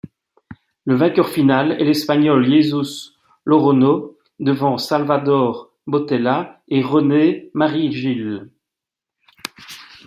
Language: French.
Le vainqueur final est l'Espagnol Jesús Loroño, devant Salvador Botella et René Marigil.